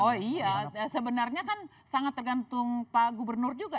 oh iya sebenarnya kan sangat tergantung pak gubernur juga